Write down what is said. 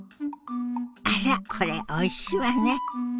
あらこれおいしいわね！